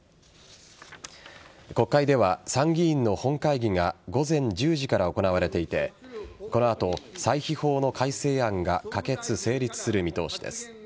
国会では参議院の本会議が午前１０時から行われていてこの後、歳費法の改正案が可決・成立する見通しです。